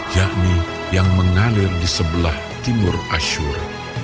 yakni yang mengalir di sebelah timur ashur